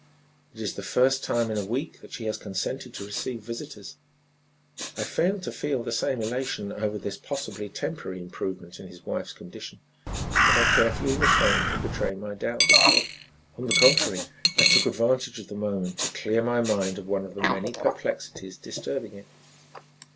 It is the first time in a week that she has consented to receive visitors." I failed to feel the same elation over this possibly temporary improvement in his wife's condition, but I carefully refrained from betraying my doubts. On the contrary, I took advantage of the moment to clear my mind of one of the many perplexities disturbing it.